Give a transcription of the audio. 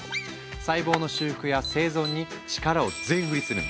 細胞の修復や生存に力を全振りするの。